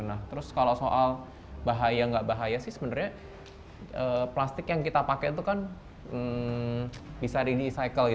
nah terus kalau soal bahaya nggak bahaya sih sebenarnya plastik yang kita pakai itu kan bisa di recycle